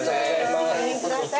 ごめんください。